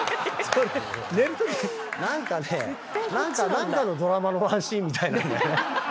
何かのドラマのワンシーンみたいなんだよね。